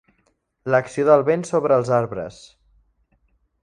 L'acció del vent sobre els arbres.